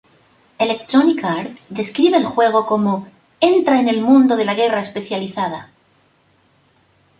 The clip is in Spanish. Electronic Arts describe el juego como: Entra en el mundo de la guerra especializada.